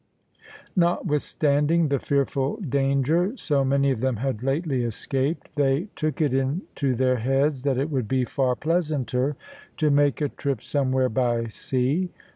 Notwithstanding the fearful danger so many of them had lately escaped, they took it into their heads that it would be far pleasanter to make a trip somewhere by sea.